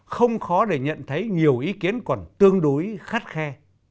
không khó để nhận thấy nhiều ý kiến còn tương đối khắt khe